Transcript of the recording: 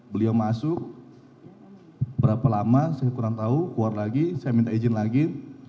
beliau masuk berapa lama saya kurang tahu keluar lagi saya minta izin lagi